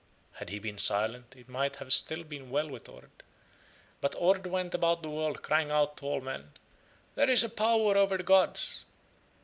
Had he been silent it might have still been well with Ord, but Ord went about the world crying out to all men, "There is a power over the gods."